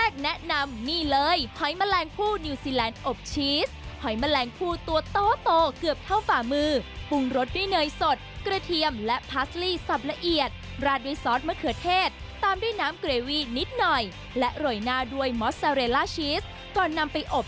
ครัวสาเรลล่าชีสกอดนดาบไปอบ